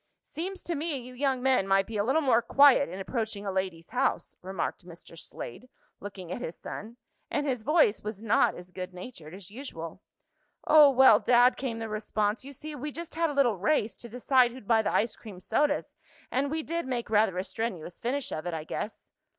"Seems to me you young men might be a little more quiet in approaching a lady's house," remarked Mr. Slade, looking at his son; and his voice was not as good natured as usual. "Oh, well, Dad," came the response, "you see we just had a little race, to decide who'd buy the ice cream sodas, and we did make rather a strenuous finish of it, I guess."